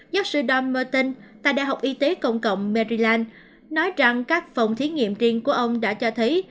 giác sư don merton tại đại học y tế cộng cộng maryland nói rằng các phòng thí nghiệm riêng của ông đã cho thấy